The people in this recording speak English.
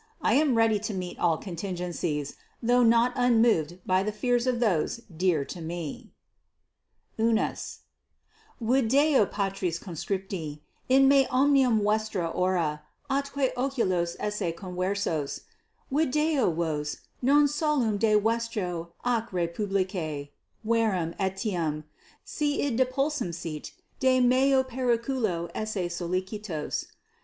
I am ready to meet all contingencies, though not unmoved by the fears of those dear to me._ =1.= Video, patres conscripti, in me omnium vestrum ora atque 1 oculos esse conversos; video vos non solum de vestro ac rei publicae, verum etiam, si id depulsum sit, de meo periculo esse sollicitos.